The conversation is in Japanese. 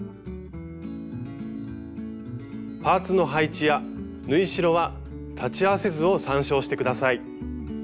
パーツの配置や縫い代は裁ち合わせ図を参照して下さい。